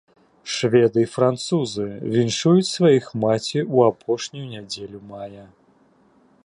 Шведы і французы віншуюць сваіх маці ў апошнюю нядзелю мая.